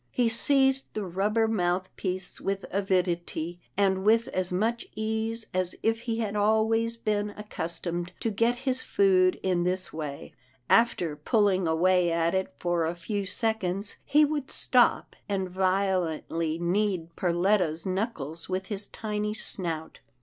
He seized the rubber mouthpiece with avidity, and with 222 'TILDA JANE'S ORPHANS as much ease as if he had always been accustomed to get his food in this way. After pulHng away at it for a few seconds, he would stop, and vio lently knead Perletta's knuckles with his tiny snout.